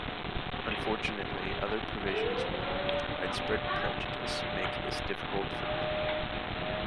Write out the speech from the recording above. Unfortunately, other provisions along with widespread prejudice made this difficult for many.